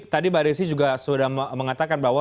tadi mbak desi juga sudah mengatakan bahwa